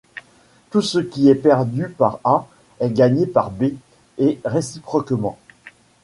Tout ce qui est perdu par A est gagné par B et réciproquement.